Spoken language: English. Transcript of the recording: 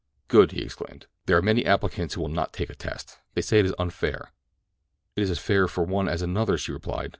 "Good!" he exclaimed. "There are many applicants who will not take a test. They say it is unfair." "It is as fair for one as another," she replied.